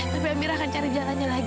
tapi amira akan cari jalannya lagi ibu